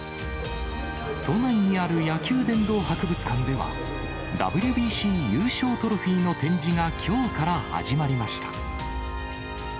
都内にある野球殿堂博物館では、ＷＢＣ優勝トロフィーの展示がきょうから始まりました。